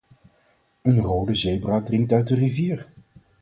Een rode zebra drinkt uit de rivier.